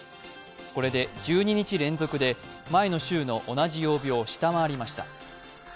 これで１２日連続で前の週の同じ曜日を下回りました。